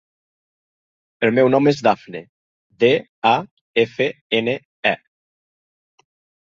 El meu nom és Dafne: de, a, efa, ena, e.